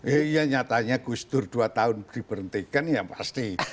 iya nyatanya gusdur dua tahun diberhentikan ya pasti